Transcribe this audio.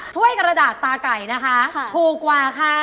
ถ้วยกระดาษตาไก่นะคะถูกกว่าค่ะ